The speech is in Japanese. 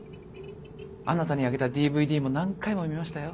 あなたにあげたＤＶＤも何回も見ましたよ。